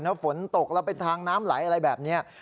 ถ้าฝนตกแล้วเป็นทางน้ำไหลอะไรแบบนี้